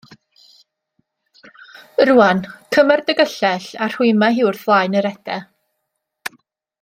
Rwan, cymer dy gyllell a rhwyma hi wrth flaen yr ede.